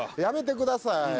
やめてください。